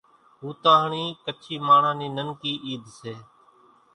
ھوتاھڻِي ڪڇي ماڻۿان نِي ننڪي عيد سي